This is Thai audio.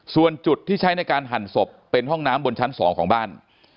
ส่วนจุดที่ใช้ในการหั่นศพเป็นห้องน้ำบนชั้น๒ของบ้าน